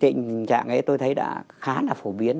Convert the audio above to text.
cái tình trạng ấy tôi thấy đã khá là phổ biến